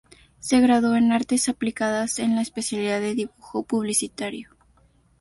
Se graduó en Artes Aplicadas en la especialidad de Dibujo Publicitario.